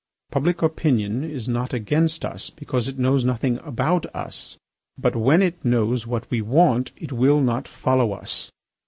Public opinion is not against us, because it knows nothing about us. But when it knows what we want it will not follow us.